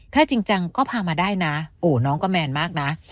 ถ้าจริงจังก็พามาได้นะโอ้น้องก็แมนมากนะ